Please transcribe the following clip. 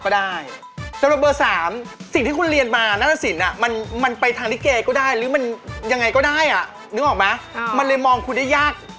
ได้ยากหน่อย